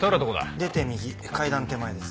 出て右階段手前です。